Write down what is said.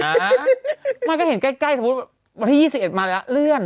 มันก็เห็นใกล้สมมุติวันที่๒๑มาแล้วเลื่อน